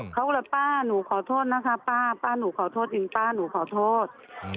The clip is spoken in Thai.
เขาก็เลยป้าหนูขอโทษนะคะป้าป้าหนูขอโทษจริงป้าหนูขอโทษ